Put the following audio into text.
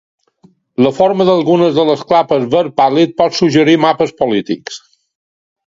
La forma d'algunes de les clapes verd pàl·lid pot suggerir mapes polítics.